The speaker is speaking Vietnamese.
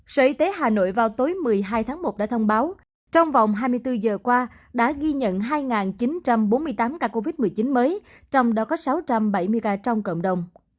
sở y tế hà nội vào tối một mươi hai tháng một đã thông báo trong vòng hai mươi bốn giờ qua đã ghi nhận hai chín trăm bốn mươi tám ca covid một mươi chín mới trong đó có sáu trăm bảy mươi ca trong cộng đồng